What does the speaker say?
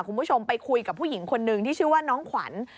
คุณผู้ชมไปคุยกับผู้หญิงคนนึงที่ชื่อว่าน้องขวัญ